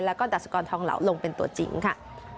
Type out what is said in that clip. แล้วก็ดัชกรทองเหลาลงเป็นตัวจริงค่ะ